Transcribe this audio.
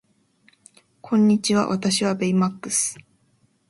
こんにちは私はベイマックス